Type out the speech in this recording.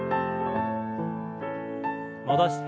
戻して。